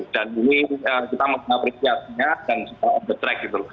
dan ini kita mengapresiasinya dan kita on the track